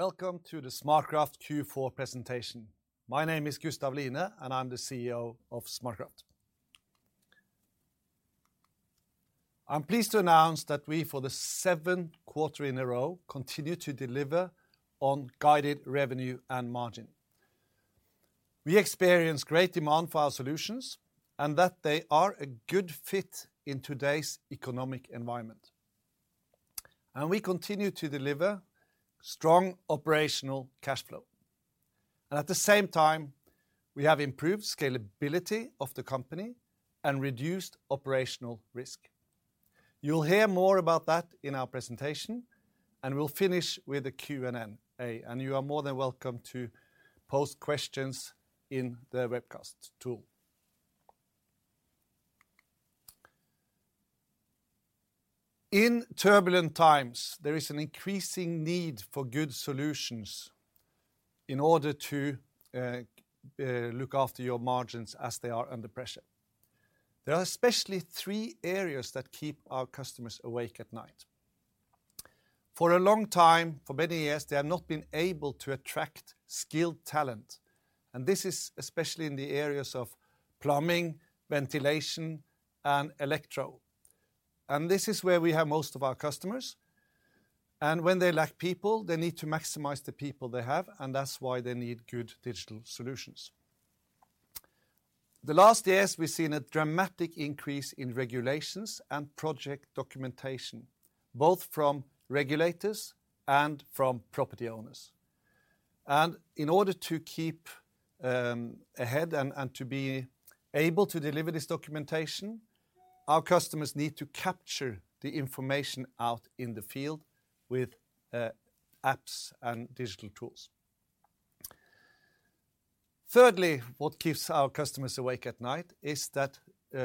Welcome to the SmartCraft Q4 presentation. My name is Gustav Line, and I'm the CEO of SmartCraft. I'm pleased to announce that we, for the seventh quarter in a row, continue to deliver on guided revenue and margin. We experience great demand for our solutions and that they are a good fit in today's economic environment. We continue to deliver strong operational cash flow. At the same time, we have improved scalability of the company and reduced operational risk. You'll hear more about that in our presentation, and we'll finish with a Q&A, and you are more than welcome to pose questions in the webcast tool. In turbulent times, there is an increasing need for good solutions in order to look after your margins as they are under pressure. There are especially three areas that keep our customers awake at night. For a long time, for many years, they have not been able to attract skilled talent, this is especially in the areas of plumbing, ventilation, and electro. This is where we have most of our customers. When they lack people, they need to maximize the people they have, and that's why they need good digital solutions. The last years, we've seen a dramatic increase in regulations and project documentation, both from regulators and from property owners. In order to keep ahead and to be able to deliver this documentation, our customers need to capture the information out in the field with apps and digital tools. Thirdly, what keeps our customers awake at night is that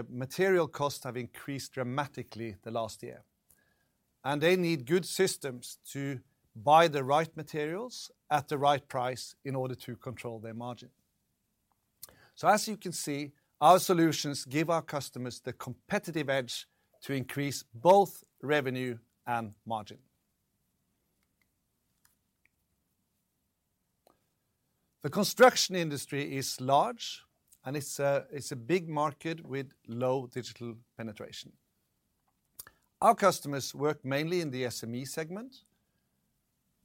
material costs have increased dramatically the last year, and they need good systems to buy the right materials at the right price in order to control their margin. As you can see, our solutions give our customers the competitive edge to increase both revenue and margin. The construction industry is large, and it's a big market with low digital penetration. Our customers work mainly in the SME segment,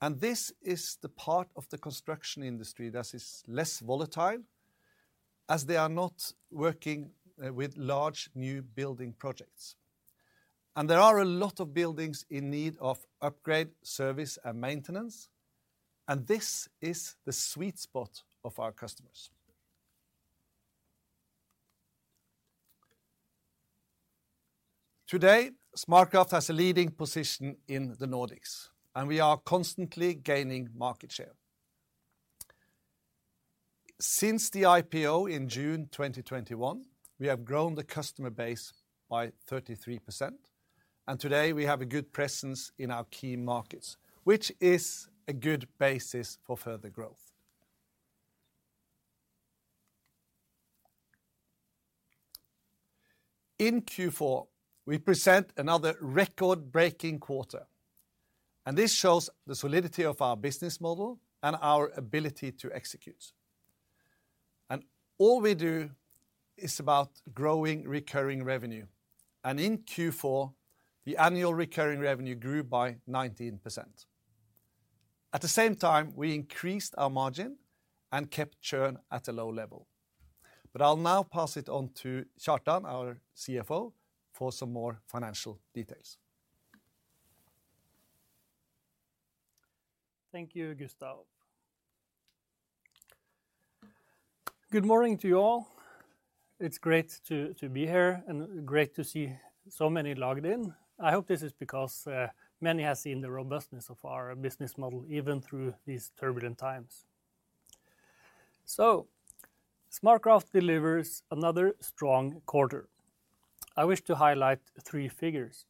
and this is the part of the construction industry that is less volatile, as they are not working with large new building projects. There are a lot of buildings in need of upgrade, service, and maintenance, and this is the sweet spot of our customers. Today, SmartCraft has a leading position in the Nordics, and we are constantly gaining market share. Since the IPO in June 2021, we have grown the customer base by 33%, and today we have a good presence in our key markets, which is a good basis for further growth. In Q4, we present another record-breaking quarter, and this shows the solidity of our business model and our ability to execute. All we do is about growing recurring revenue. In Q4, the annual recurring revenue grew by 19%. At the same time, we increased our margin and kept churn at a low level. I'll now pass it on to Kjartan, our CFO, for some more financial details. Thank you, Gustav. Good morning to you all. It's great to be here and great to see so many logged in. I hope this is because many have seen the robustness of our business model even through these turbulent times. SmartCraft delivers another strong quarter. I wish to highlight three figures.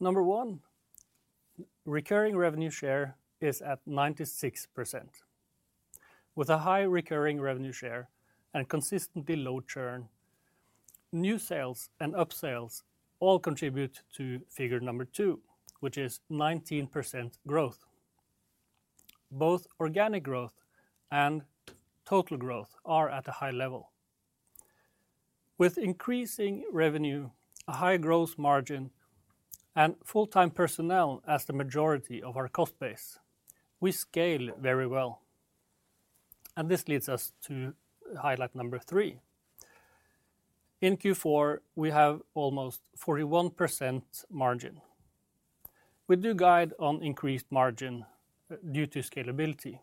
Number 1, recurring revenue share is at 96%. With a high recurring revenue share and consistently low churn, new sales and upsales all contribute to figure number 2, which is 19% growth. Both organic growth and total growth are at a high level. With increasing revenue, a high growth margin, and full-time personnel as the majority of our cost base, we scale very well. This leads us to highlight number 3. In Q4, we have almost 41% margin. We do guide on increased margin due to scalability.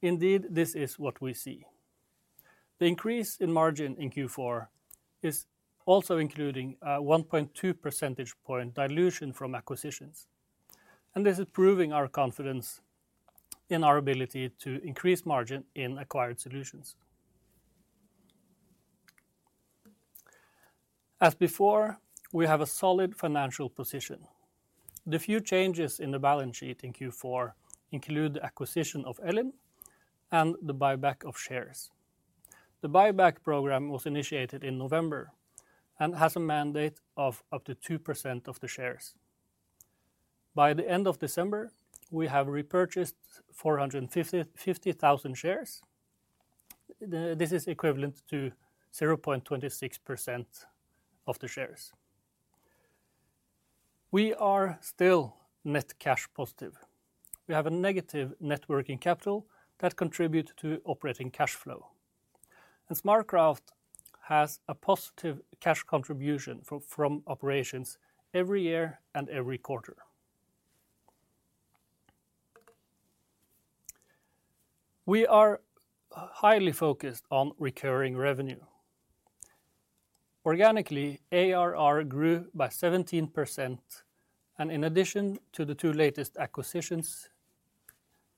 Indeed, this is what we see. The increase in margin in Q4 is also including 1.2 percentage point dilution from acquisitions. This is proving our confidence in our ability to increase margin in acquired solutions. As before, we have a solid financial position. The few changes in the balance sheet in Q4 include the acquisition of Inprog and the buyback of shares. The buyback program was initiated in November and has a mandate of up to 2% of the shares. By the end of December, we have repurchased 450,000 shares. This is equivalent to 0.26% of the shares. We are still net cash positive. We have a negative net working capital that contribute to operating cash flow. SmartCraft has a positive cash contribution from operations every year and every quarter. We are highly focused on recurring revenue. Organically, ARR grew by 17%, and in addition to the two latest acquisitions,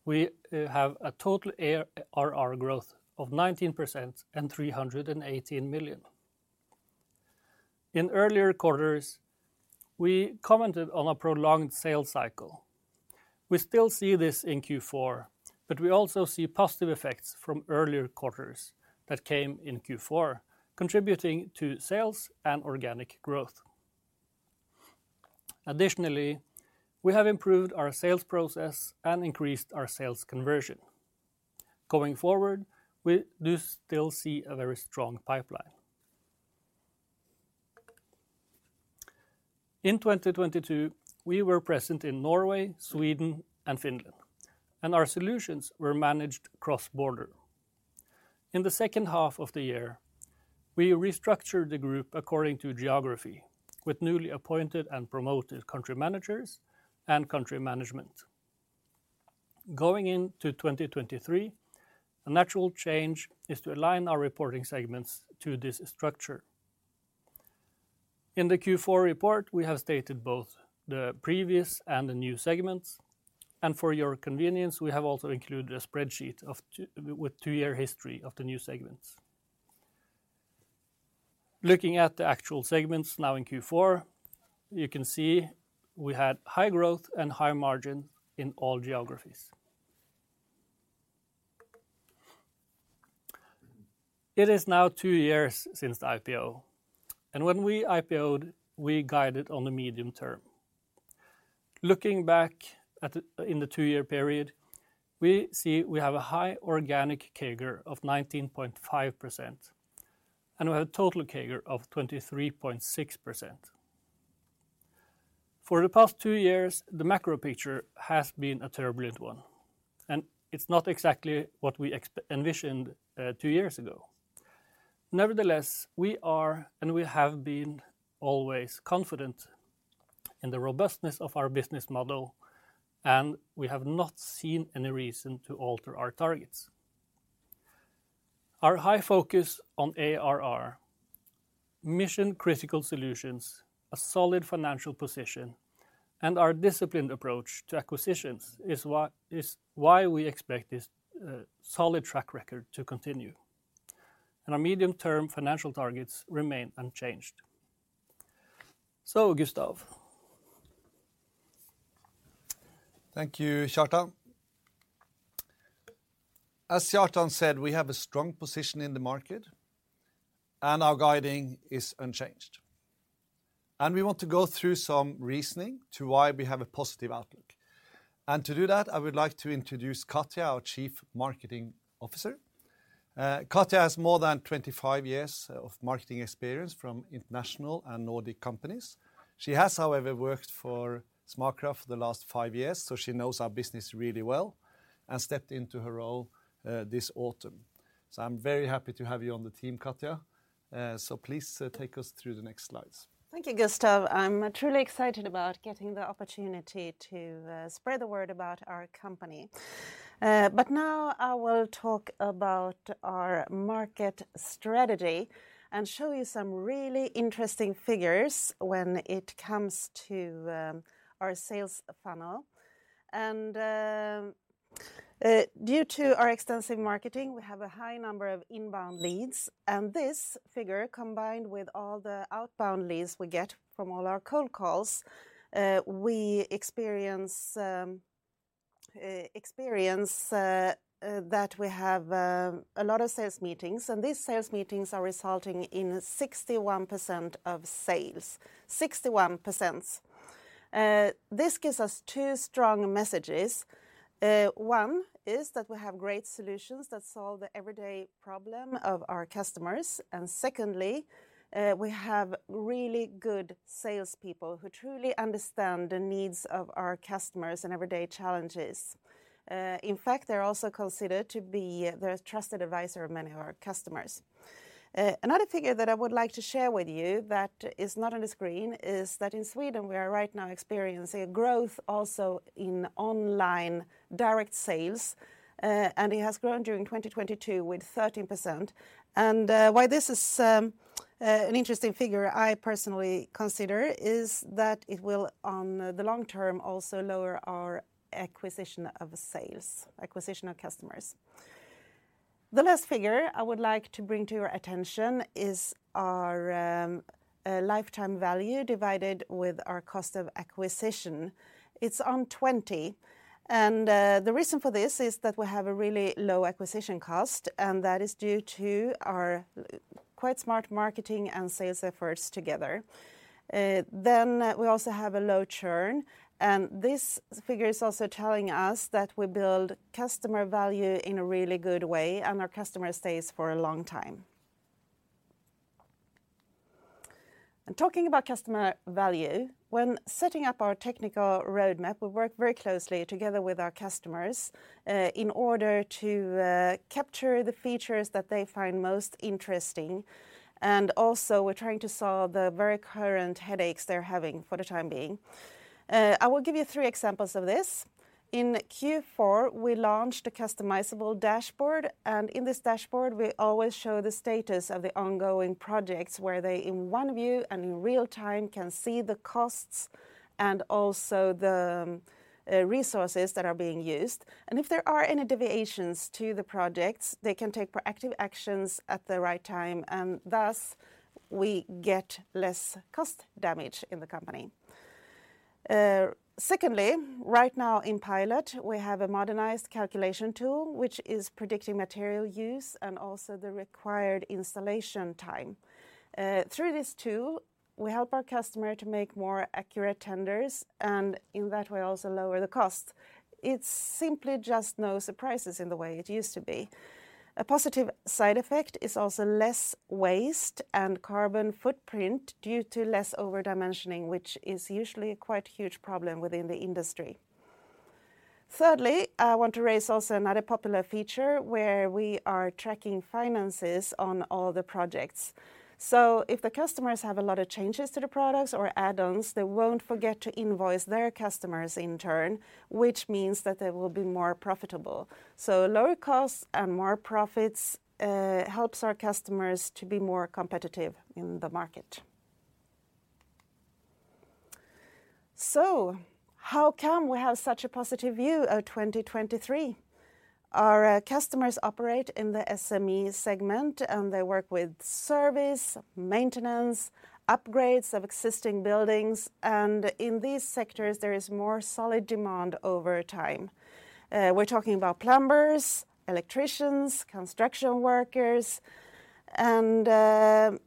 we have a total ARR growth of 19% and 318 million. In earlier quarters, we commented on a prolonged sales cycle. We still see this in Q4, but we also see positive effects from earlier quarters that came in Q4, contributing to sales and organic growth. Additionally, we have improved our sales process and increased our sales conversion. Going forward, we do still see a very strong pipeline. In 2022, we were present in Norway, Sweden, and Finland, and our solutions were managed cross-border. In the second half of the year, we restructured the group according to geography with newly appointed and promoted country managers and country management. Going into 2023, a natural change is to align our reporting segments to this structure. In the Q4 report, we have stated both the previous and the new segments. For your convenience, we have also included a spreadsheet of 2-year history of the new segments. Looking at the actual segments now in Q4, you can see we had high growth and high margin in all geographies. It is now two years since the IPO, when we IPO'd, we guided on the medium term. Looking back in the 2-year period, we see we have a high organic CAGR of 19.5%. We have a total CAGR of 23.6%. For the past two years, the macro picture has been a turbulent one. It's not exactly what we envisioned 2 years ago. Nevertheless, we are and we have been always confident in the robustness of our business model, and we have not seen any reason to alter our targets. Our high focus on ARR, mission-critical solutions, a solid financial position, and our disciplined approach to acquisitions is why we expect this solid track record to continue. Our medium-term financial targets remain unchanged. Gustav. Thank you, Kjartan. As Kjartan said, we have a strong position in the market, and our guiding is unchanged. We want to go through some reasoning to why we have a positive outlook. To do that, I would like to introduce Katja, our Chief Marketing Officer. Katja has more than 25 years of marketing experience from international and Nordic companies. She has, however, worked for SmartCraft for the last five years, so she knows our business really well and stepped into her role this autumn. I'm very happy to have you on the team, Katja. Please take us through the next slides. Thank you, Gustav. I'm truly excited about getting the opportunity to spread the word about our company. Now I will talk about our market strategy and show you some really interesting figures when it comes to our sales funnel. Due to our extensive marketing, we have a high number of inbound leads, and this figure, combined with all the outbound leads we get from all our cold calls, we experience that we have a lot of sales meetings. These sales meetings are resulting in 61% of sales. 61%. This gives us two strong messages. One is that we have great solutions that solve the everyday problem of our customers. Secondly, we have really good salespeople who truly understand the needs of our customers and everyday challenges. In fact, they're also considered to be the trusted advisor of many of our customers. Another figure that I would like to share with you that is not on the screen is that in Sweden, we are right now experiencing a growth also in online direct sales, it has grown during 2022 with 13%. Why this is an interesting figure I personally consider is that it will on the long term also lower our acquisition of sales, acquisition of customers. The last figure I would like to bring to your attention is our lifetime value divided with our cost of acquisition. It's on 20. The reason for this is that we have a really low acquisition cost, and that is due to our quite smart marketing and sales efforts together. Then we also have a low churn, and this figure is also telling us that we build customer value in a really good way, and our customer stays for a long time. Talking about customer value, when setting up our technical roadmap, we work very closely together with our customers, in order to capture the features that they find most interesting. Also we're trying to solve the very current headaches they're having for the time being. I will give you 3 examples of this. In Q4, we launched a customizable dashboard, and in this dashboard, we always show the status of the ongoing projects where they, in one view and in real time, can see the costs and also the resources that are being used. If there are any deviations to the projects, they can take proactive actions at the right time, and thus we get less cost damage in the company. Secondly, right now in pilot, we have a modernized calculation tool which is predicting material use and also the required installation time. Through this tool, we help our customer to make more accurate tenders, and in that way, also lower the cost. It's simply just no surprises in the way it used to be. A positive side effect is also less waste and carbon footprint due to less over-dimensioning, which is usually a quite huge problem within the industry. Thirdly, I want to raise also another popular feature where we are tracking finances on all the projects. If the customers have a lot of changes to the products or add-ons, they won't forget to invoice their customers in turn, which means that they will be more profitable. Lower costs and more profits helps our customers to be more competitive in the market. How come we have such a positive view of 2023? Our customers operate in the SME segment, and they work with service, maintenance, upgrades of existing buildings, and in these sectors, there is more solid demand over time. We're talking about plumbers, electricians, construction workers, and there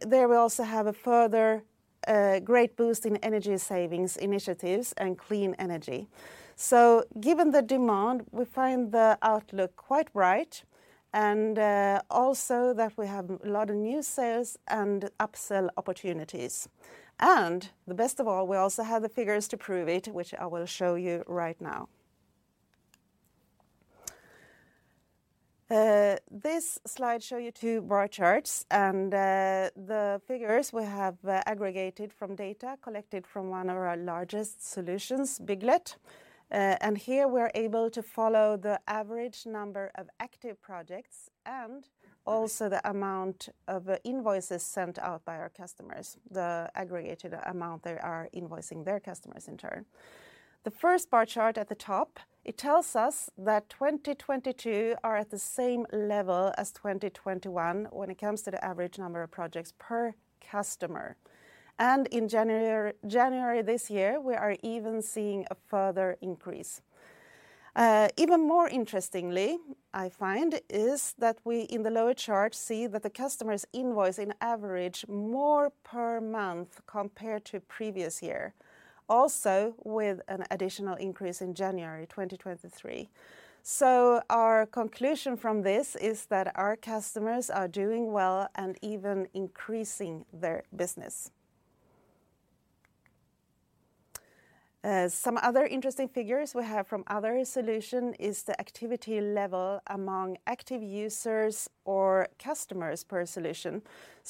we also have a further great boost in energy savings initiatives and clean energy. Given the demand, we find the outlook quite bright and also that we have a lot of new sales and upsell opportunities. The best of all, we also have the figures to prove it, which I will show you right now. This slide show you two bar charts, and the figures we have aggregated from data collected from one of our largest solutions, Bygglet. And here we're able to follow the average number of active projects and also the amount of invoices sent out by our customers, the aggregated amount they are invoicing their customers in turn. The first bar chart at the top, it tells us that 2022 are at the same level as 2021 when it comes to the average number of projects per customer. In January this year, we are even seeing a further increase. Even more interestingly, I find, is that we in the lower chart see that the customers invoice in average more per month compared to previous year, also with an additional increase in January 2023. Our conclusion from this is that our customers are doing well and even increasing their business. Some other interesting figures we have from other solution is the activity level among active users or customers per solution.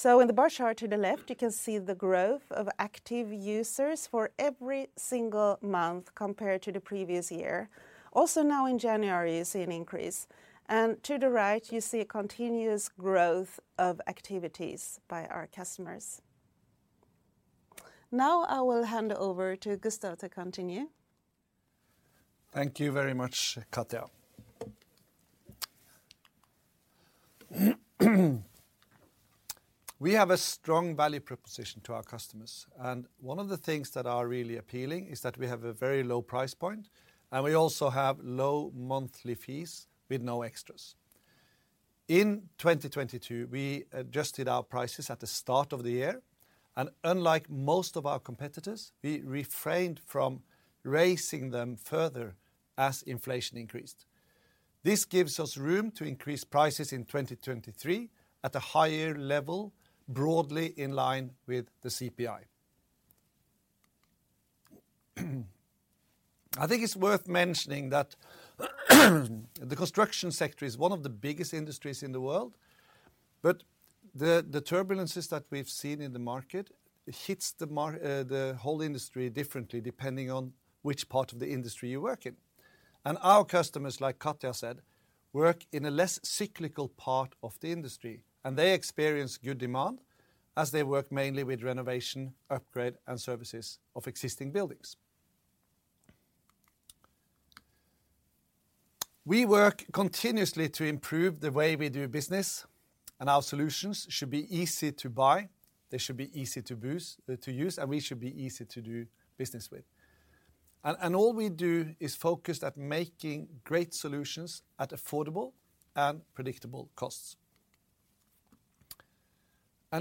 In the bar chart to the left, you can see the growth of active users for every single month compared to the previous year. Also now in January, you see an increase. To the right, you see a continuous growth of activities by our customers. Now I will hand over to Gustav to continue. Thank you very much, Katja. We have a strong value proposition to our customers, and one of the things that are really appealing is that we have a very low price point, and we also have low monthly fees with no extras. In 2022, we adjusted our prices at the start of the year, and unlike most of our competitors, we refrained from raising them further as inflation increased. This gives us room to increase prices in 2023 at a higher level, broadly in line with the CPI. I think it's worth mentioning that the construction sector is one of the biggest industries in the world, but the turbulences that we've seen in the market hits the whole industry differently depending on which part of the industry you work in. Our customers, like Katja said, work in a less cyclical part of the industry, and they experience good demand as they work mainly with renovation, upgrade, and services of existing buildings. We work continuously to improve the way we do business, and our solutions should be easy to buy, they should be easy to use, and we should be easy to do business with. All we do is focused at making great solutions at affordable and predictable costs.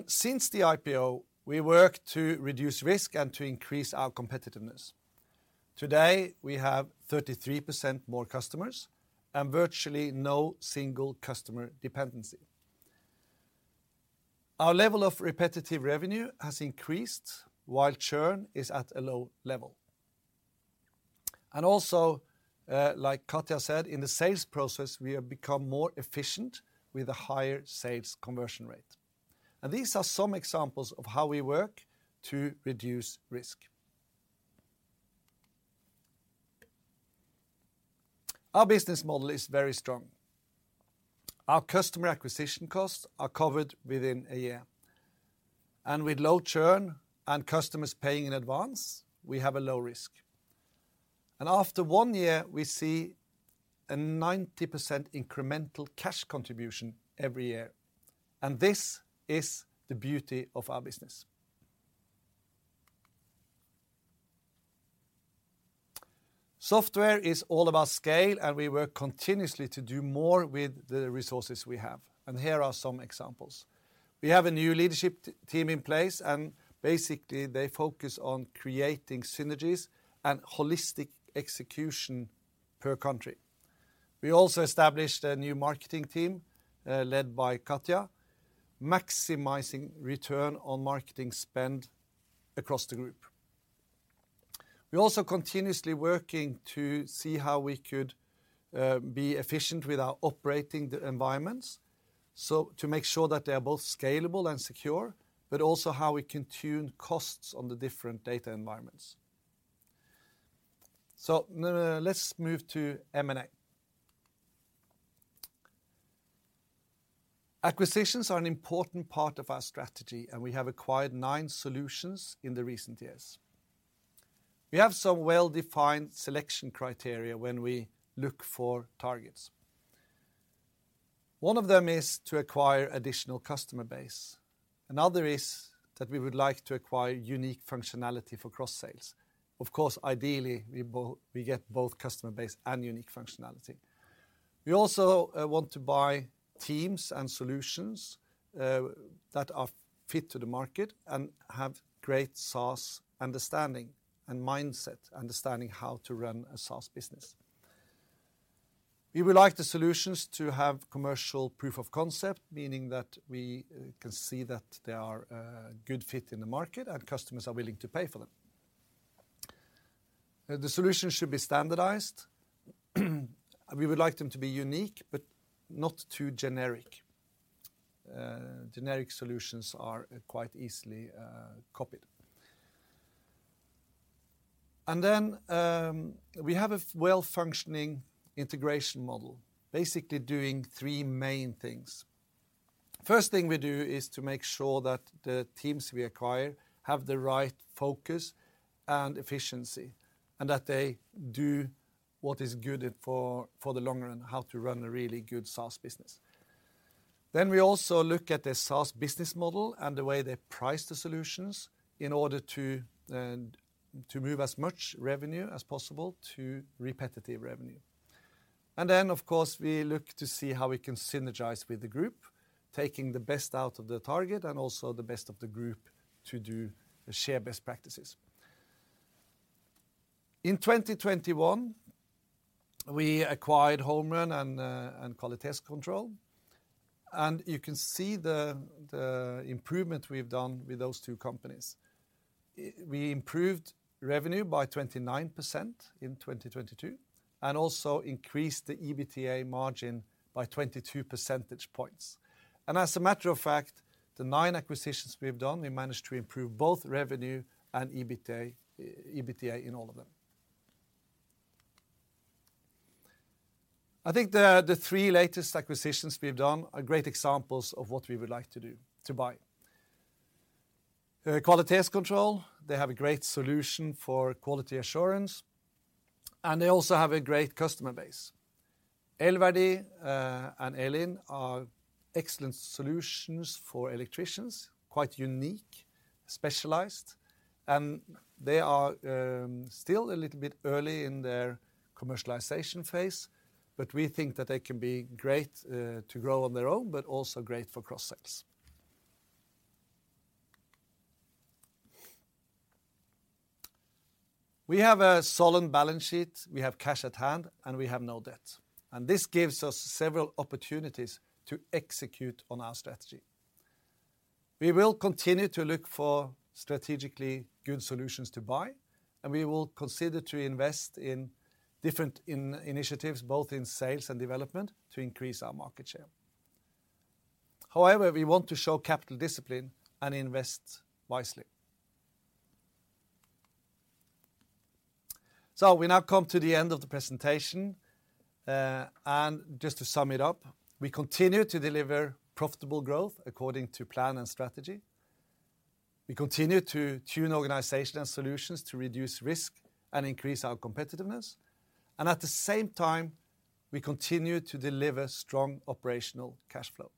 Since the IPO, we work to reduce risk and to increase our competitiveness. Today, we have 33% more customers and virtually no single customer dependency. Our level of repetitive revenue has increased while churn is at a low level. Also, like Katja said, in the sales process, we have become more efficient with a higher sales conversion rate. These are some examples of how we work to reduce risk. Our business model is very strong. Our customer acquisition costs are covered within a 1 year. With low churn and customers paying in advance, we have a low risk. After 1 year, we see a 90% incremental cash contribution every year. This is the beauty of our business. Software is all about scale, and we work continuously to do more with the resources we have. Here are some examples. We have a new leadership team in place, and basically, they focus on creating synergies and holistic execution per country. We also established a new marketing team, led by Katja, maximizing return on marketing spend across the group. We're also continuously working to see how we could be efficient with our operating the environments, to make sure that they are both scalable and secure, but also how we can tune costs on the different data environments. Now let's move to M&A. Acquisitions are an important part of our strategy, and we have acquired 9 solutions in the recent years. We have some well-defined selection criteria when we look for targets. One of them is to acquire additional customer base. Another is that we would like to acquire unique functionality for cross-sales. Of course, ideally, we get both customer base and unique functionality. We also want to buy teams and solutions that are fit to the market and have great SaaS understanding and mindset, understanding how to run a SaaS business. We would like the solutions to have commercial proof of concept, meaning that we can see that they are a good fit in the market and customers are willing to pay for them. The solution should be standardized. We would like them to be unique, but not too generic. Generic solutions are quite easily copied. We have a well-functioning integration model, basically doing 3 main things. First thing we do is to make sure that the teams we acquire have the right focus and efficiency, and that they do what is good for the long run, how to run a really good SaaS business. We also look at the SaaS business model and the way they price the solutions in order to move as much revenue as possible to repetitive revenue. Of course, we look to see how we can synergize with the group, taking the best out of the target and also the best of the group to do the share best practices. In 2021, we acquired HomeRun and Kvalitetskontroll, and you can see the improvement we've done with those two companies. We improved revenue by 29% in 2022 and also increased the EBITDA margin by 22 percentage points. As a matter of fact, the nine acquisitions we've done, we managed to improve both revenue and EBITDA in all of them. I think the three latest acquisitions we've done are great examples of what we would like to do to buy. Kvalitetskontroll, they have a great solution for quality assurance, and they also have a great customer base. Elverdi and ELinn are excellent solutions for electricians, quite unique, specialized, and they are still a little bit early in their commercialization phase, but we think that they can be great to grow on their own, but also great for cross-sales. We have a solid balance sheet, we have cash at hand, and we have no debt. This gives us several opportunities to execute on our strategy. We will continue to look for strategically good solutions to buy, and we will consider to invest in different initiatives, both in sales and development, to increase our market share. However, we want to show capital discipline and invest wisely. We now come to the end of the presentation, and just to sum it up, we continue to deliver profitable growth according to plan and strategy. We continue to tune organization and solutions to reduce risk and increase our competitiveness. At the same time, we continue to deliver strong operational cash flow.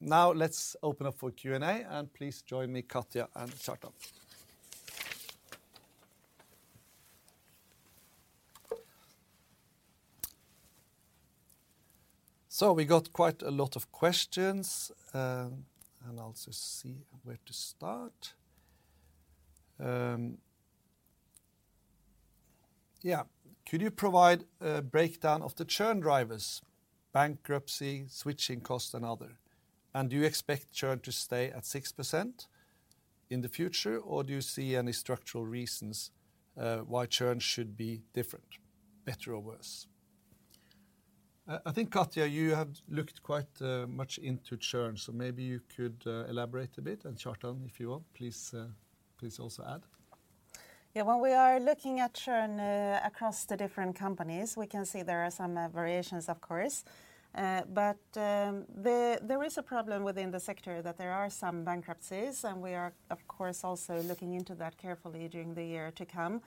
Now let's open up for Q&A, and please join me, Katja and Kjartan. We got quite a lot of questions, and I'll just see where to start. Yeah. Could you provide a breakdown of the churn drivers, bankruptcy, switching cost and other? Do you expect churn to stay at 6% in the future, or do you see any structural reasons, why churn should be different, better or worse? I think, Katja, you have looked quite much into churn, so maybe you could elaborate a bit and Kjartan, if you want, please also add. When we are looking at churn across the different companies, we can see there are some variations, of course. There, there is a problem within the sector that there are some bankruptcies, and we are, of course, also looking into that carefully during the year to come.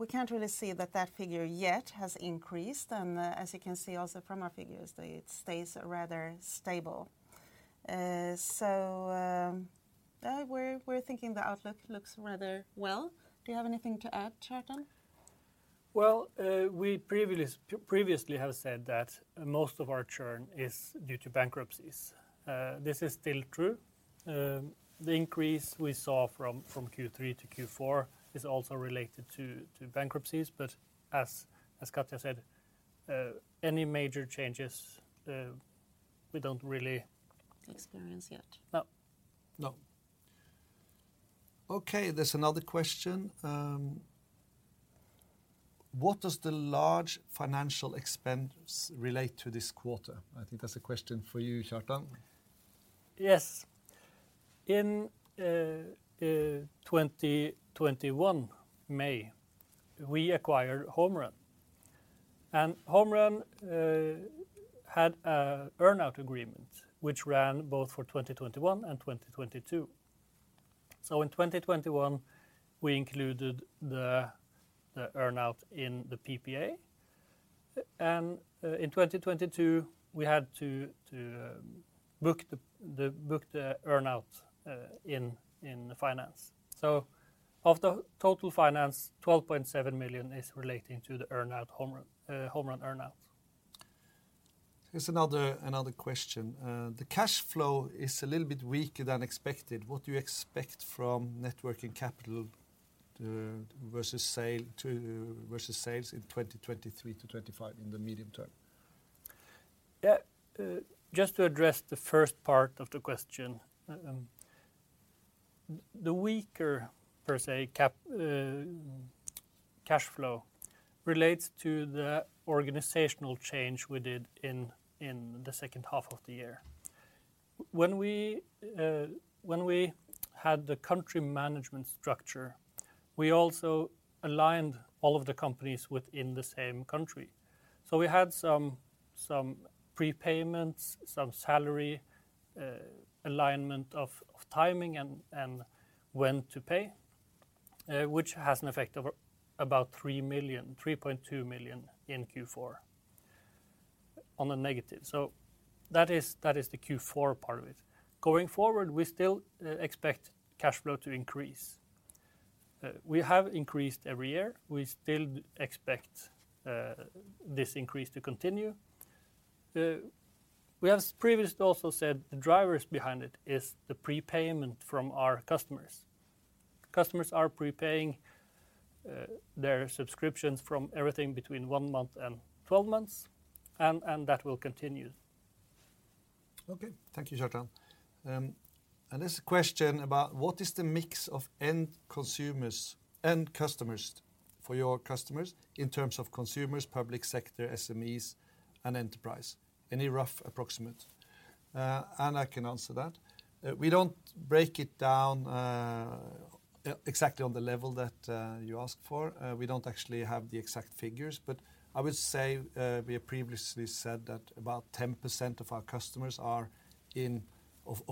We can't really see that that figure yet has increased. As you can see also from our figures, it stays rather stable. Yeah, we're thinking the outlook looks rather well. Do you have anything to add, Kjartan? Well, we previously have said that most of our churn is due to bankruptcies. This is still true. The increase we saw from Q3 to Q4 is also related to bankruptcies. As Katja said, any major changes, we don't really. Experience yet. No. No. Okay, there's another question. What does the large financial expense relate to this quarter? I think that's a question for you, Kjartan. Yes. In 2021, May, we acquired HomeRun had a earn-out agreement which ran both for 2021 and 2022. In 2021, we included the earn-out in the PPA, and in 2022, we had to book the earn-out in the finance. Of the total finance, 12.7 million is relating to the earn-out HomeRun earn-out. Here's another question. The cash flow is a little bit weaker than expected. What do you expect from net working capital versus sales in 2023 to 2025 in the medium term? Just to address the first part of the question, the weaker per se cash flow relates to the organizational change we did in the second half of the year. When we, when we had the country management structure, we also aligned all of the companies within the same country. We had some prepayments, some salary, alignment of timing and when to pay, which has an effect of about 3 million, 3.2 million in Q4 on a negative. That is, that is the Q4 part of it. Going forward, we still expect cash flow to increase. We have increased every year. We still expect this increase to continue. We have previously also said the drivers behind it is the prepayment from our customers. Customers are prepaying, their subscriptions from everything between one month and 12 months, and that will continue. Okay. Thank you, Kjartan. There's a question about what is the mix of end consumers, end customers for your customers in terms of consumers, public sector, SMEs and enterprise? Any rough approximate? I can answer that. We don't break it down exactly on the level that you ask for. We don't actually have the exact figures, but I would say we have previously said that about 10% of our customers are in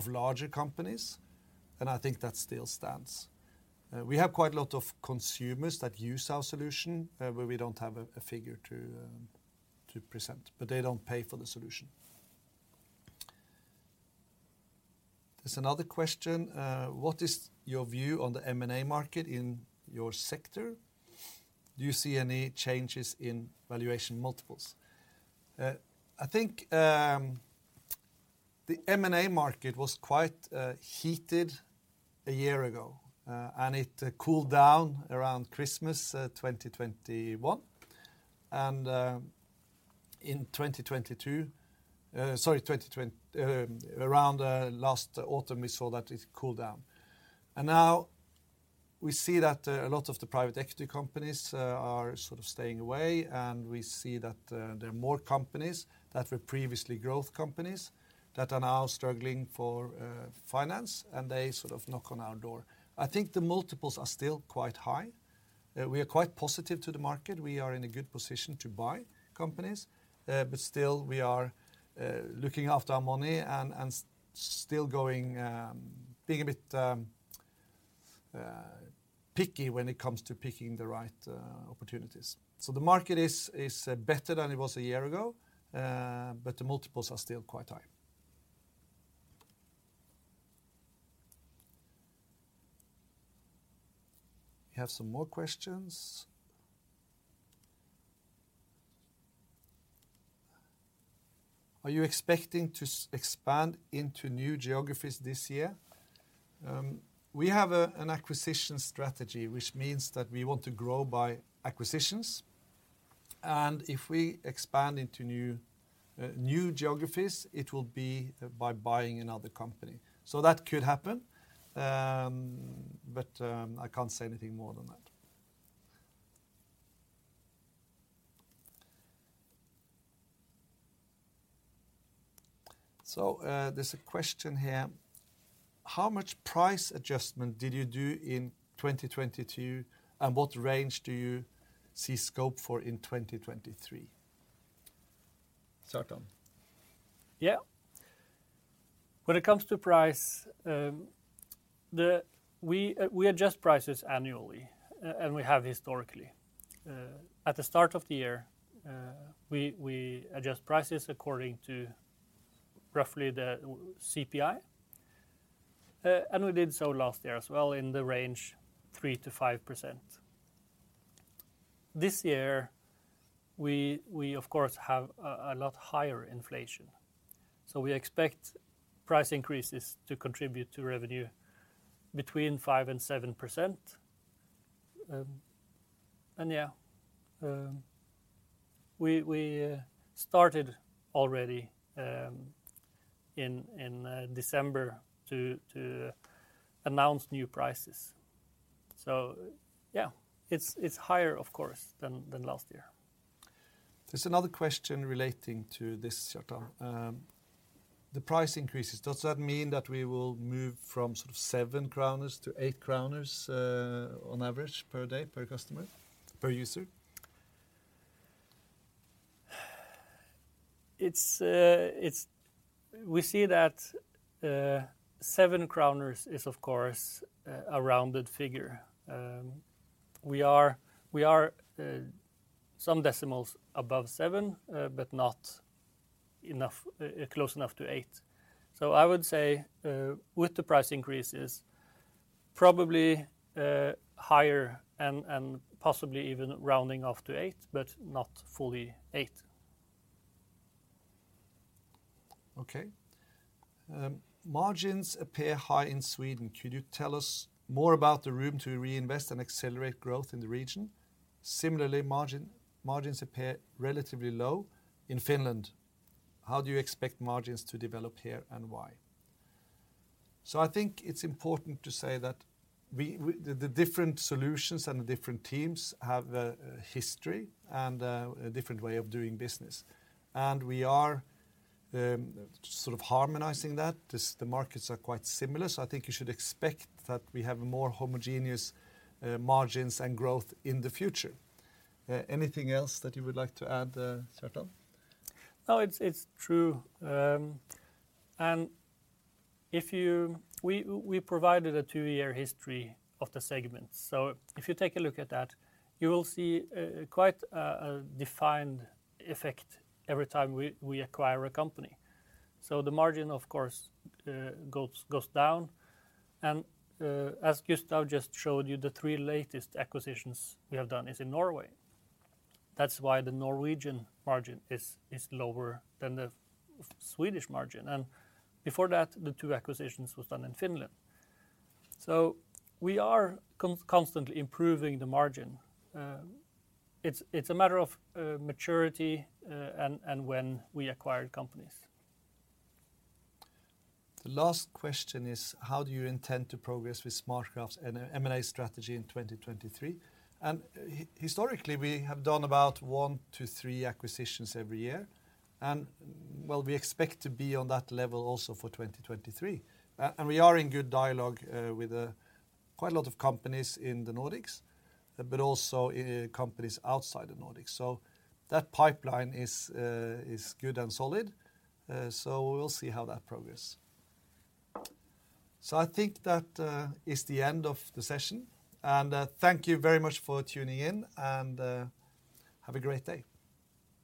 larger companies, and I think that still stands. We have quite a lot of consumers that use our solution, but we don't have a figure to present, but they don't pay for the solution. There's another question. What is your view on the M&A market in your sector? Do you see any changes in valuation multiples? I think the M&A market was quite heated a year ago, and it cooled down around Christmas, 2021. In 2022, sorry, around last autumn, we saw that it cooled down. Now we see that a lot of the private equity companies are sort of staying away, and we see that there are more companies that were previously growth companies that are now struggling for finance, and they sort of knock on our door. I think the multiples are still quite high. We are quite positive to the market. We are in a good position to buy companies. But still we are looking after our money and still going, being a bit picky when it comes to picking the right opportunities. The market is better than it was a year ago, but the multiples are still quite high. We have some more questions. Are you expecting to expand into new geographies this year? We have an acquisition strategy, which means that we want to grow by acquisitions. If we expand into new geographies, it will be by buying another company. That could happen. But I can't say anything more than that. There's a question here: How much price adjustment did you do in 2022, and what range do you see scope for in 2023? Kjartan. Yeah. When it comes to price, we adjust prices annually, we have historically. At the start of the year, we adjust prices according to roughly the CPI, we did so last year as well in the range 3%-5%. This year, we of course have a lot higher inflation, we expect price increases to contribute to revenue between 5% and 7%. Yeah, we started already in December to announce new prices. Yeah, it's higher, of course, than last year. There's another question relating to this, Kjartan. The price increases, does that mean that we will move from sort of eight kroner to eight kroner on average per day, per customer, per user? We see that 7 is, of course, a rounded figure. We are some decimals above seven, but not enough close enough to eight. I would say with the price increases, probably higher and possibly even rounding off to eight, but not fully eight. Okay. Margins appear high in Sweden. Could you tell us more about the room to reinvest and accelerate growth in the region? Similarly, margins appear relatively low in Finland. How do you expect margins to develop here, and why? I think it's important to say that we the different solutions and the different teams have a history and a different way of doing business. We are sort of harmonizing that, just the markets are quite similar. I think you should expect that we have more homogeneous margins and growth in the future. Anything else that you would like to add, Kjartan? No, it's true. We provided a two-year history of the segments. If you take a look at that, you will see a defined effect every time we acquire a company. The margin, of course, goes down. As Gustav just showed you, the three latest acquisitions we have done is in Norway. That's why the Norwegian margin is lower than the Swedish margin. Before that, the two acquisitions was done in Finland. We are constantly improving the margin. It's a matter of maturity and when we acquire companies. The last question is: How do you intend to progress with SmartCraft's M&A strategy in 2023? historically, we have done about one to three acquisitions every year, well, we expect to be on that level also for 2023. we are in good dialogue with quite a lot of companies in the Nordics, but also companies outside the Nordics. That pipeline is good and solid, so we'll see how that progress. I think that is the end of the session. Thank you very much for tuning in, and have a great day.